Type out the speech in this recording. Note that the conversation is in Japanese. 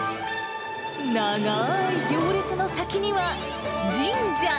長ーい行列の先には、神社。